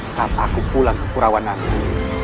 saat aku pulang ke purawan nanti